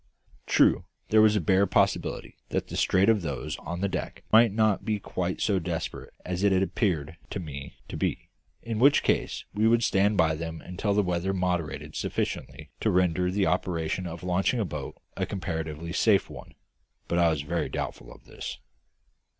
True, there was a bare possibility that the strait of those on the wreck might not be quite so desperate as it had appeared to me to be in which case we could stand by them until the weather moderated sufficiently to render the operation of launching a boat a comparatively safe one but I was very doubtful of this.